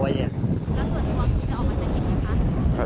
ครับใช่ครับ